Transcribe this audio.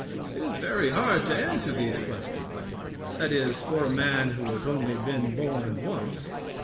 It is very hard to answer these questions that is, for a man who has only been born once.